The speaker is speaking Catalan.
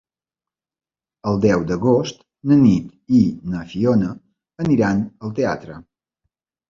El deu d'agost na Nit i na Fiona aniran al teatre.